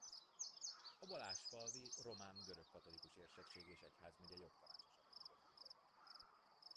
A balázsfalvi Román Görög-Katolikus Érsekség és egyházmegye jogtanácsosaként dolgozott.